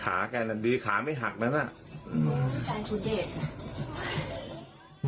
ขาแกน่ะดีขาไม่หักนั้นอื้อคุณเดชน์อ่าย